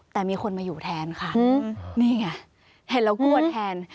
แต่มีคนมาอยู่แทนค่ะนี่ไงเห็นแล้วกลัวแทน